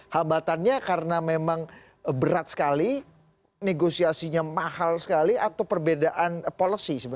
hambatannya karena memang berat sekali negosiasinya mahal sekali atau perbedaan policy sebenarnya